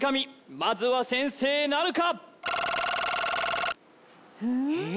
まずは先制なるか？